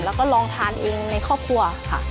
แล้วก็ลองทานเองในครอบครัวค่ะ